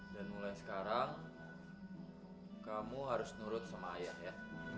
mulai sekarang kamu harus nurut sama ayah ya